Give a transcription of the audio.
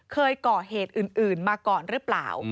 เคยก่อเหตุอื่นมาก่อนหรือเปล่า